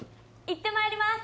いってまいります！